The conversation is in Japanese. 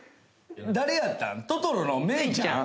誰やったん？